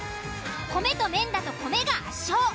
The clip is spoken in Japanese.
米と麺だと米が圧勝。